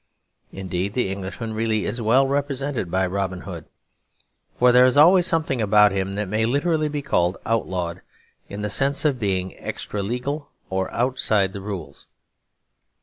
Indeed the Englishman really is well represented by Robin Hood; for there is always something about him that may literally be called outlawed, in the sense of being extra legal or outside the rules.